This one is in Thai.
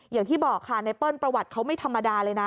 อย่างที่บอกค่ะไนเปิ้ลประวัติเขาไม่ธรรมดาเลยนะ